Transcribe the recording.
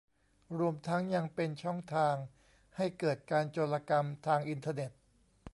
รวมทั้งยังเป็นช่องทางให้เกิดการโจรกรรมทางอินเทอร์เน็ต